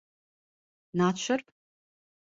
Nāc šurp.